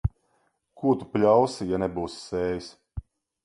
Ko tu pļausi, ja nebūsi sējis.